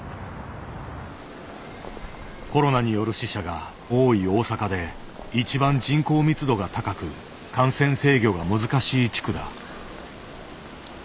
コロナによる死者が多い大阪で一番人口密度が高く感染制御が難しい地区だ。